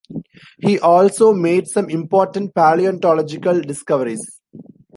He also made some important paleontological discoveries.